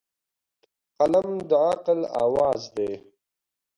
قلم د عقل اواز دی